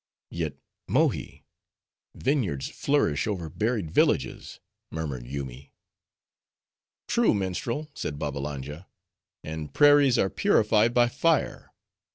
"Yet, Mohi, vineyards flourish over buried villages," murmured Yoomy. "True, minstrel," said Babbalanja, "and prairies are purified by fire.